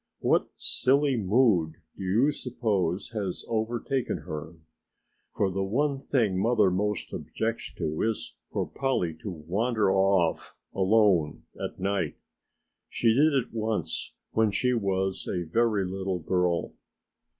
What silly mood do you suppose has overtaken her? For the one thing mother most objects to is for Polly to wander off alone at night. She did it once when she was a very little girl."